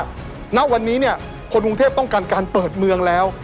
ผมคิดว่าณวันนี้เนี่ยคนวงเทพต้องการการเปิดเมืองแล้ว